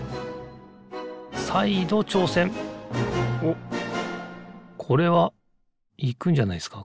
おっこれはいくんじゃないですか